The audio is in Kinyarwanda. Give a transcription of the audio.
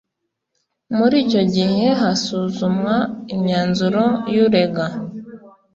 muri icyo gihe hasuzumwa imyanzuro y'urega